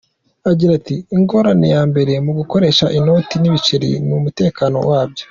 Agira ati “Ingorane ya mbere mu gukoresha inoti n’ibiceri ni umutekano wabyo.